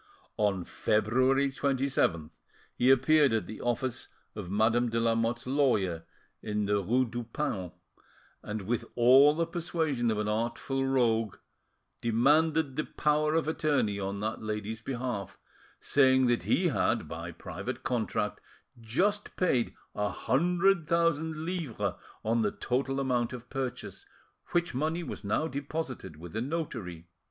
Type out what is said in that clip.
On February 27th he appeared at the office of Madame de Lamotte's lawyer in the rue du Paon, and, with all the persuasion of an artful tongue, demanded the power of attorney on that lady's behalf, saying that he had, by private contract, just paid a hundred thousand livres on the total amount of purchase, which money was now deposited with a notary.